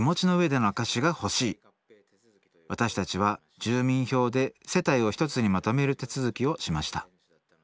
私たちは住民票で世帯を一つにまとめる手続きをしました